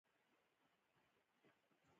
که د سترګو د کرې قطر له اندازې څخه ډېر لوی شي.